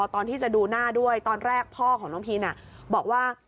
ตอนที่จะดูหน้าด้วยตอนแรกพ่อของน้องพีนบอกว่า